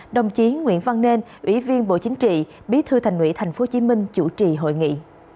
đồng chí nguyễn văn nên ủy viên bộ chính trị bí thư thành ủy tp hcm chủ trì hội nghị